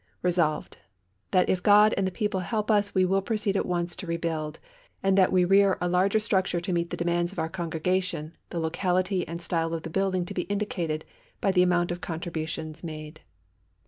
"Resolved: That if God and the people help us we will proceed at once to rebuild, and that we rear a larger structure to meet the demands of our congregation, the locality and style of the building to be indicated by the amount of contributions made."